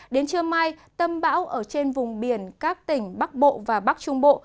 đến trưa mai tâm bão ở trên vùng biển các tỉnh bắc bộ và bắc trung bộ